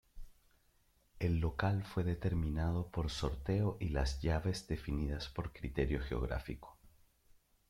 El local fue determinado por sorteo y las llaves definidas por criterio geográfico.